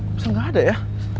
bisa nggak ada ya